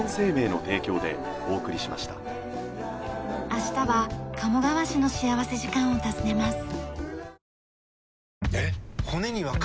明日は鴨川市の幸福時間を訪ねます。